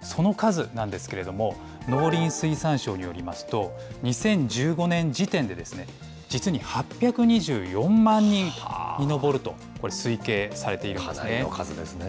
その数なんですけれども、農林水産省によりますと、２０１５年時点で、実に８２４万人に上ると、これ、かなりの数ですね。